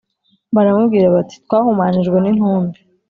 baramubwira bati Twahumanijwe n intumbi